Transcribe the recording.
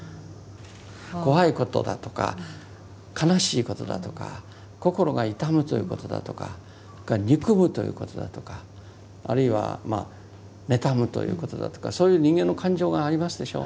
怖いことだとか悲しいことだとか心が痛むということだとかそれから憎むということだとかあるいはまあ妬むということだとかそういう人間の感情がありますでしょう。